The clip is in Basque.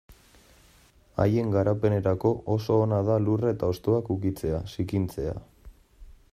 Haien garapenerako oso ona da lurra eta hostoak ukitzea, zikintzea...